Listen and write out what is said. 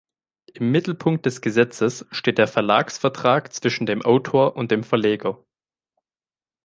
Im Mittelpunkt des Gesetzes steht der Verlagsvertrag zwischen dem Autor und dem Verleger.